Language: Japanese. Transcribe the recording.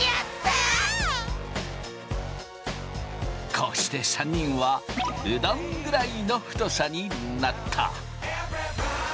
こうして３人はうどんぐらいの太さになった。